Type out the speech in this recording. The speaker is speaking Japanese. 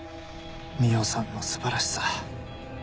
海音さんの素晴らしさ